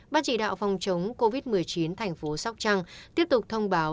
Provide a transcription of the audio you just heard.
ban chỉ đạo phòng chống covid một mươi chín thành phố sóc trăng tiếp tục thông báo